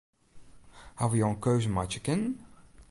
Hawwe jo in keuze meitsje kinnen?